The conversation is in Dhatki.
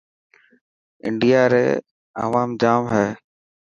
انڊيا ري اوام جام هي.